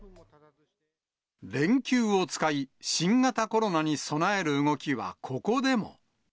連休を使い、新型コロナに備える動きはここでも。